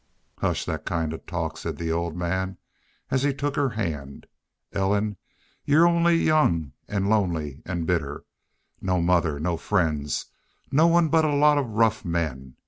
"Hush thet kind of talk," said the old man, as he took her hand. "Ellen, you're only young an' lonely an' bitter. No mother no friends no one but a lot of rough men!